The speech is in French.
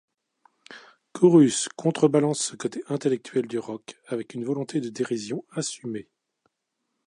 Chorus contre-balance ce côté intellectuel du rock avec une volonté de dérision assumée.